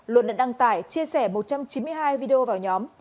luận đã đăng tải chia sẻ một trăm chín mươi hai video vào nhóm